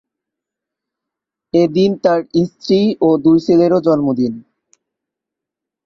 এদিন তাঁর স্ত্রী ও দুই ছেলেরও জন্মদিন।